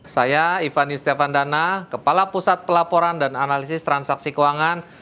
saya ivan yustevandana kepala pusat pelaporan dan analisis transaksi keuangan